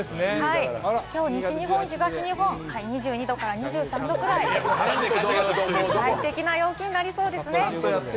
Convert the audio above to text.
西日本、東日本は２２度から２３度くらい、快適な陽気となりそうですね。